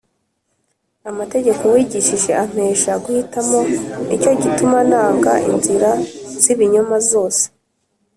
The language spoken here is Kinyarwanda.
Amategeko wigishije ampesha guhitamo ni cyo gituma nanga inzira z’ibinyoma zose.